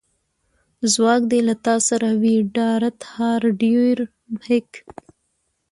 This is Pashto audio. ځواک دې له تا سره وي ډارت هارډویر هیک